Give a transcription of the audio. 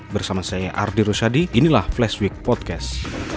bersama saya ardy rosyadi inilah flashweek podcast